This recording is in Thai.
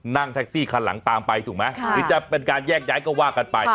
นั่งแท็กซี่คันหลังตามไปถูกไหมหรือจะเป็นการแยกย้ายก็ว่ากันไป